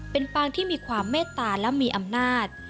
เป็นปางที่มีความเมตตาและมีอำนาจ